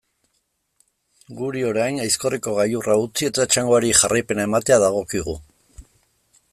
Guri, orain, Aizkorriko gailurra utzi eta txangoari jarraipena ematea dagokigu.